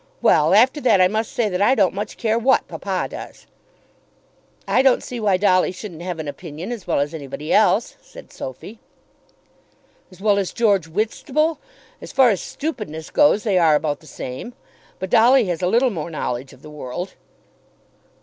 Well, after that I must say that I don't much care what papa does." "I don't see why Dolly shouldn't have an opinion as well as anybody else," said Sophy. "As well as George Whitstable? As far as stupidness goes they are about the same. But Dolly has a little more knowledge of the world."